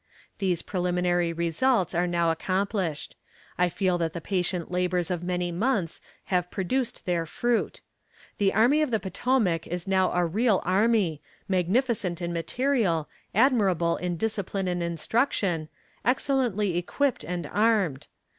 These preliminary results are now accomplished. I feel that the patient labors of many months have produced their fruit. The army of the Potomac is now a real army, magnificent in material, admirable in discipline and instruction, excellently equipped and armed.